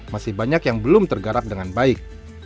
masih banyak yang belum tergarap dengan baik